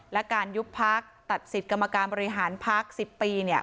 และการยุบภักดิ์ตัดสิทธิ์กรรมการบริหารภักดิ์๑๐ปี